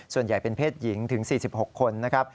ส่วนใหญ่เป็นเพศหญิงถึง๔๖คนนะครับ